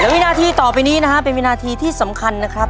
วินาทีต่อไปนี้นะครับเป็นวินาทีที่สำคัญนะครับ